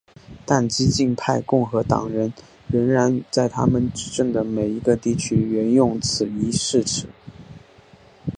但激进派共和党人仍然在他们执政的每一个地区援用此一誓词。